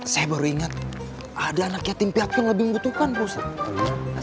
saya baru ingat ada anak yatim pihak yang lebih membutuhkan pak ustadz